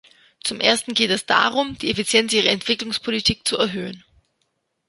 Zum ersten geht es darum, die Effizienz ihrer Entwicklungspolitik zu erhöhen.